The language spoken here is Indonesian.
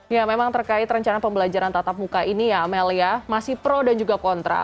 ya memang terkait rencana pembelajaran tatap muka ini ya amelia masih pro dan juga kontra